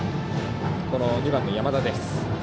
この２番の山田です。